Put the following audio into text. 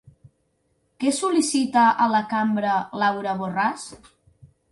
Què sol·licita a la cambra Laura Borràs?